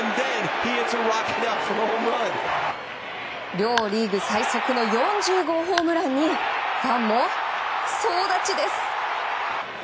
両リーグ最速の４０号ホームランにファンも総立ちです！